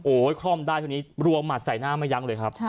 โอ้ยคล่อมได้ตอนนี้รวมหมัดใส่หน้ามายังเลยครับ